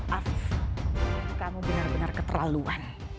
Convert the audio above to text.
maaf kamu benar benar keterlaluan